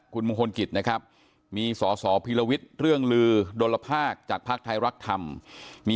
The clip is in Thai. คุณมงคลกิจนะครับมีสสพีลวิทย์เรื่องลือดลภาคจากภาคไทยรักธรรมมี